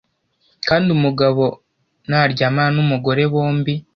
Kandi umugabo naryamana n umugore bombi